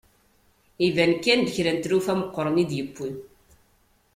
Iban kan d kra n tlufa meqqren i d-yiwi.